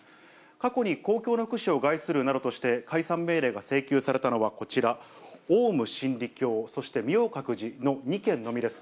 過去に公共の福祉を害するとして解散命令が請求されたのはこちら、オウム真理教、そして明覚寺の２件のみです。